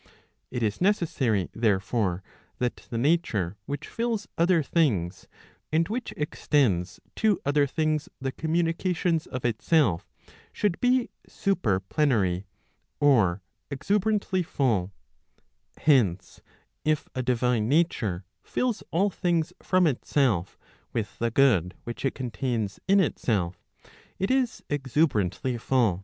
It is necessary, there¬ fore, that the nature which fills other things, and which extends to other things the communications of itself should be super plenary or exuber Digitized by t^OOQLe 390 ELEMENTS prop, cxxxii. cxxxm. antly full. Hence, if a divine nature fills all things from itself with the good which it contains in itself, it is exuberantly full.